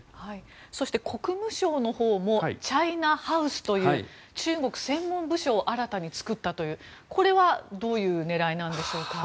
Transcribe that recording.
そして国務省のほうもチャイナハウスという中国専門部署を新たに作ったというこれはどういう狙いなんでしょうか？